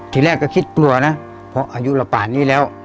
ทีแรกก็คิดกลัวนะเพราะอายุเราป่านนี้แล้ว